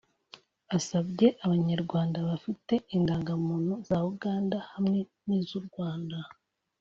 asabye Abanyarwanda bafite indangamuntu za Uganda hamwe n’iz’u Rwanda